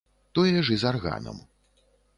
Тое ж і з арганам.